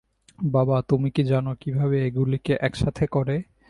বাবা, তুমি কি জানো কিভাবে এগুলিকে একসাথে করে?